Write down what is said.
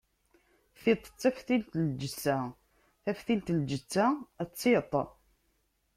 Tiṭ d taftilt n lǧetta, taftilt n lǧetta d tiṭ.